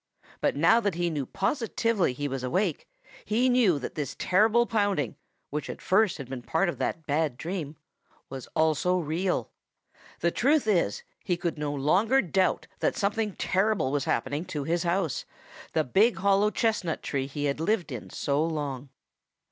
But now that he knew positively he was awake, he knew that this terrible pounding, which at first had been part of that bad dream, was also real. The truth is, he could no longer doubt that something terrible was happening to his house, the big hollow chestnut tree he had lived in so long.